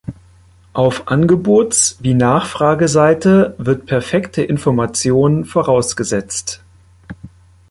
Auf Angebots- wie Nachfrageseite wird perfekte Information vorausgesetzt.